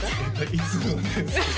いつもです